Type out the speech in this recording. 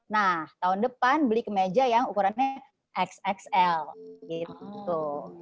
nah tahun depan beli kemeja yang ukurannya xxl gitu